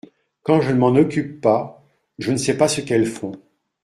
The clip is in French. Quand je ne m’en occupe pas je ne sais pas ce qu’elles font.